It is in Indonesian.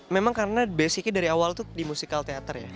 memang karena basicnya dari awal tuh di musikal teater ya